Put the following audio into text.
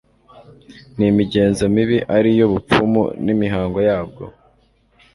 n'imigenzo mibi, ari yo bupfumu n'imihango yabwo